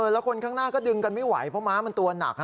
แล้วคนข้างหน้าก็ดึงกันไม่ไหวเพราะม้ามันตัวหนัก